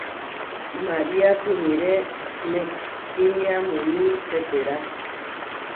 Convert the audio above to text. María simiré nehkímia muní Pétera.